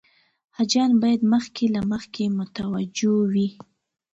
حاجیان باید مخکې له مخکې متوجه وي.